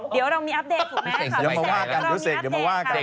เดี๋ยวเรามีอัปเดตถูกไหมค่ะเดี๋ยวเรามีอัปเดตค่ะเดี๋ยวเมื่อว่ากัน